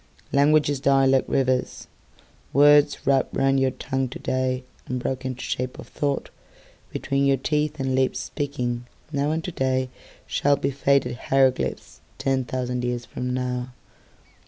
Languages die like rivers. Words wrapped round your tongue todayAnd broken to shape of thoughtBetween your teeth and lips speakingNow and todayShall be faded hieroglyphicsTen thousand years from now.